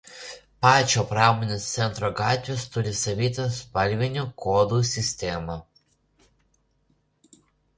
Pačio pramonės centro gatvės turi savitą spalvinių kodų sistemą.